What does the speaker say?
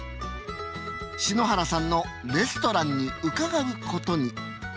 篠原さんのレストランに伺うことに。